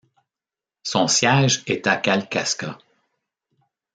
Son siège est à Kalkaska.